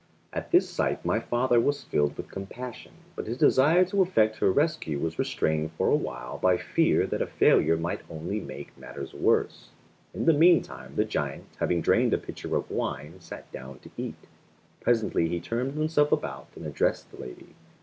] At this sight my father was filled with compassion, but his desire to effect her rescue was restrained for a while by fear that a failure might only make matters worse. In the meantime the giant, having drained a pitcher of wine, sat down to eat. Presently he turned himself about and addressed the lady.